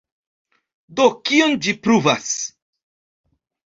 Do kion ĝi pruvas?